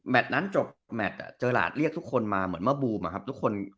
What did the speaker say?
นั้นจบแมทเจอหลาดเรียกทุกคนมาเหมือนเมื่อบูมอะครับทุกคน